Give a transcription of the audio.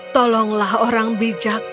tolonglah orang bijak